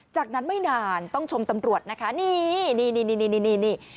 จากนั้นไม่นานต้องชมตำรวจนะคะนี่นี่นี่นี่นี่นี่นี่นี่